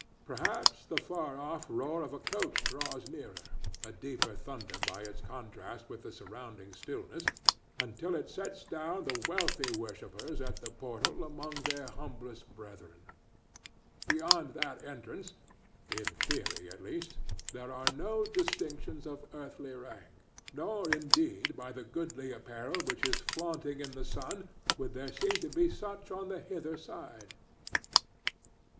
Perhaps the far off roar of a coach draws nearer—a deeper thunder by its contrast with the surrounding stillness—until it sets down the wealthy worshippers at the portal among their humblest brethren. Beyond that entrance—in theory, at least—there are no distinctions of earthly rank; nor, indeed, by the goodly apparel which is flaunting in the sun would there seem to be such on the hither side.